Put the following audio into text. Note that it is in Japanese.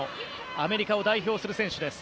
アメリカを代表する選手です。